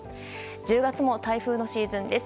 １０月も台風のシーズンです。